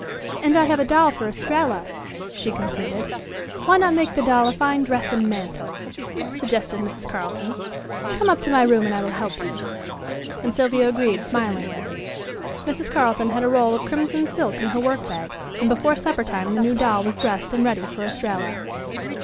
"And I have a doll for Estralla," she concluded. "Why not make the doll a fine dress and mantle?" suggested Mrs. Carleton. "Come up to my room and I will help you," and Sylvia agreed smilingly. Mrs. Carleton had a roll of crimson silk in her work bag and before supper time the new doll was dressed and ready for Estralla.